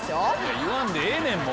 言わんでええねん！